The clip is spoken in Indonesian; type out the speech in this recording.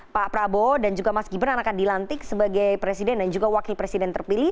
pak prabowo dan juga mas gibran akan dilantik sebagai presiden dan juga wakil presiden terpilih